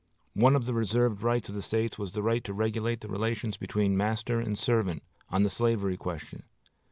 One of the reserved rights of the States was the right to regulate the relations between master and servant, on the slavery question.